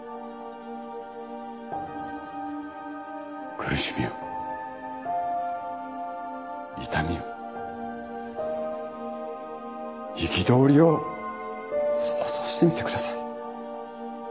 苦しみを痛みを憤りを想像してみてください。